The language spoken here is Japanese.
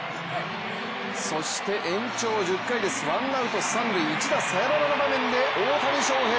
そして延長１０回です、ワンアウト三塁、一打サヨナラの場面で大谷翔平！